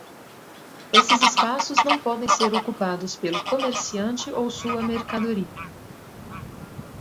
Esses espaços não podem ser ocupados pelo comerciante ou sua mercadoria.